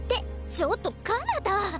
ちょっとかなた！